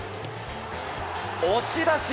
押し出し。